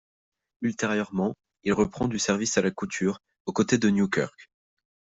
Ultérieurement, il reprend du service à la couture, aux côtés de Newkirk.